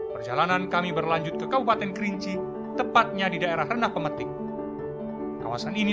perjalanan kami berlanjut ke kabupaten kerinci tepatnya di daerah renah pemetik kawasan ini